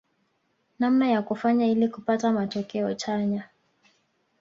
Namna ya kufanya ili kupata matokeo chanya